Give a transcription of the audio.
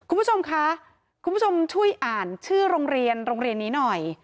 คุณผู้ชมช่วยอ่านชื่อโรงเรียนนี้หน่อย